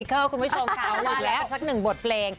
ขอบคุณผู้ชมทางว่าอะแล้วก็ทำสักหนึ่งบทเพลง